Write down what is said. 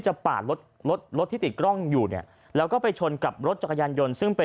จังหวะเดี๋ยวจะให้ดูนะ